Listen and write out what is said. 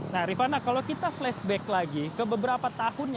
nah rifana kalau kita flashback lagi ke beberapa tahun